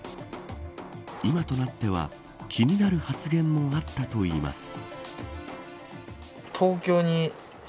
今となっては気になる発言もあったといいます。